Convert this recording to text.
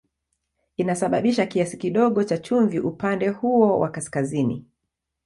Inasababisha kiasi kidogo cha chumvi upande huo wa kaskazini.